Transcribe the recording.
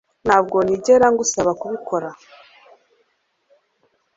Ntabwo nigera ngusaba kubikora